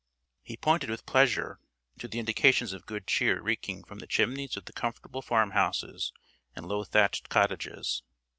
He pointed with pleasure to the indications of good cheer reeking from the chimneys of the comfortable farm houses and low thatched cottages.